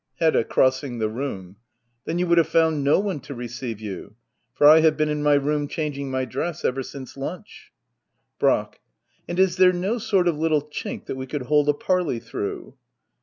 Hedda. [Crossing the room.] Then you would have found no <Mie to receive you ; for I have been in. my room changing ray dress ever since lunch. Brack. And is there no sort of little chink that we could hold a parley through